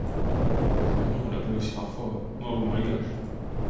À La Réunion, on l'appelle aussi parfois Mahot malgache.